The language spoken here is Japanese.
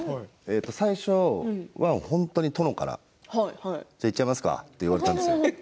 最初、本当に殿からいっちゃいますか、と言われたんですよ。